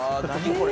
これ」